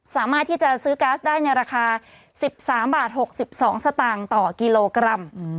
สามารถที่จะซื้อก๊าซได้ในราคา๑๓บาท๖๒สตางค์ต่อกิโลกรัม